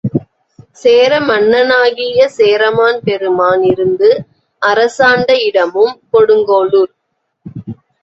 சேர மன்னனாகிய சேரமான் பெருமான் இருந்து அரசாண்ட இடமும் கொடுங்கோளூரே.